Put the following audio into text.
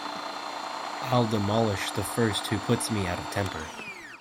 I’ll demolish the first who puts me out of temper!